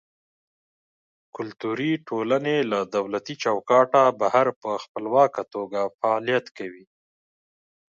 کلتوري ټولنې له دولتي چوکاټه بهر په خپلواکه توګه فعالیت کوي.